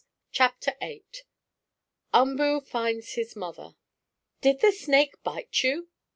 CHAPTER VIII UMBOO FINDS HIS MOTHER "Did the snake bite you?"